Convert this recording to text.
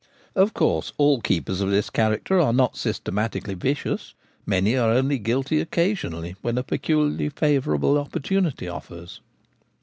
Of course all keepers of this character are not systematically vicious: many are only guilty occasionally, when a peculiarly favour able opportunity offers.